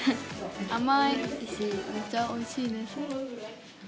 甘いし、めちゃおいしいです。